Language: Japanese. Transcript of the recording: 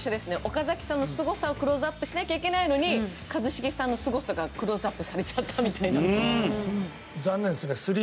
岡崎さんのすごさをクローズアップしなきゃいけないのに一茂さんのすごさがクローズアップされちゃったみたいな。